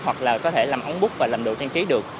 hoặc là có thể làm ống bút và làm đồ trang trí được